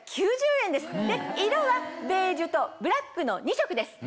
色はベージュとブラックの２色です。